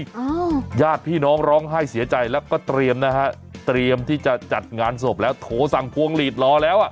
อ้าวญาติพี่น้องร้องไห้เสียใจแล้วก็เตรียมนะฮะเตรียมที่จะจัดงานศพแล้วโทรสั่งพวงหลีดรอแล้วอ่ะ